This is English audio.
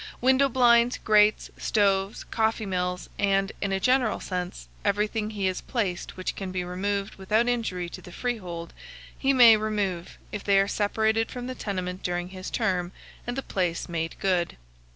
Window blinds, grates, stoves, coffee mills, and, in a general sense, everything he has placed which can be removed without injury to the freehold, he may remove, if they are separated from the tenement during his term, and the place made good.